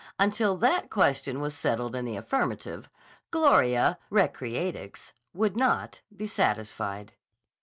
Until that question was settled in the affirmative, Gloria, re creatrix, would not be satisfied.